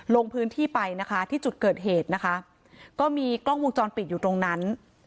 ลงพื้นที่ไปนะคะที่จุดเกิดเหตุนะคะก็มีกล้องวงจรปิดอยู่ตรงนั้น